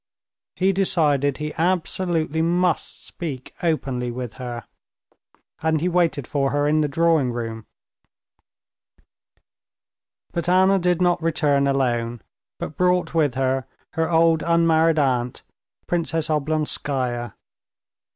He decided he absolutely must speak openly with her. And he waited for her in her drawing room. But Anna did not return alone, but brought with her her old unmarried aunt, Princess Oblonskaya.